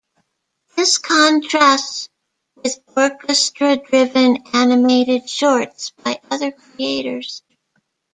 This contrasts with orchestra-driven animated shorts by other creators.